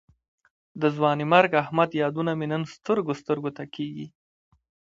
د ځوانمرګ احمد یادونه مې نن سترګو سترګو ته کېږي.